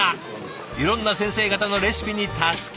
いろんな先生方のレシピに助けられながら。